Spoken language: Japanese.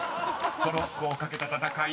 トロッコを懸けた戦い